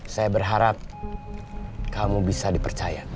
saya berharap kamu bisa dipercaya